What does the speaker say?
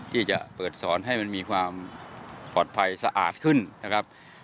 ที่จะเปิดสอนให้มันมีความปลอดภัยสะอาดขึ้นนะครับ